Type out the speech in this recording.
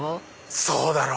そうだろ？